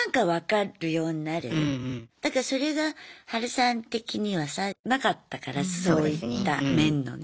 だからそれがハルさん的にはさなかったからそういった面のね。